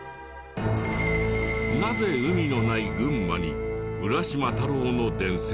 なぜ海のない群馬に浦島太郎の伝説！？